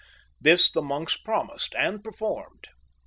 This the monks promised and performed.